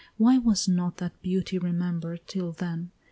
Why was not that beauty remember'd till then?